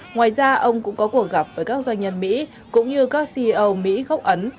ngoài ra ông cũng có cuộc gặp với các doanh nhân mỹ cũng như các ceo mỹ gốc ấn